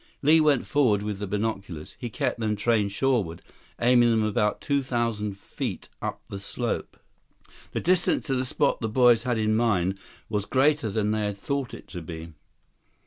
Li went forward with the binoculars. He kept them trained shoreward, aiming them about two thousand feet up the slope. The distance to the spot the boys had in mind was greater than they had thought it to be.